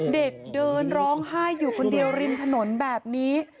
เด็กเดินร้องไห้อยู่คนเดียวริมถนนแบบนี้